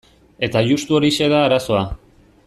Eta justu horixe da arazoa.